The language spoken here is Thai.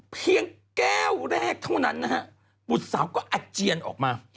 เพียงแก้วแรกเท่านั้นนะฮะบุตรสาวก็อาเจียนออกมา